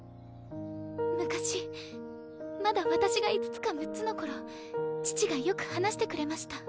昔まだ私が５つか６つのころ父がよく話してくれました。